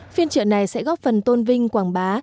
phiên trợ này sẽ góp phần tôn vinh quảng bá